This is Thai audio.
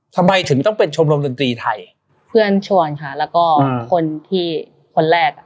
ทำไมถึงต้องเป็นชมรมดนตรีไทยเพื่อนชวนค่ะแล้วก็คนที่คนแรกอ่ะ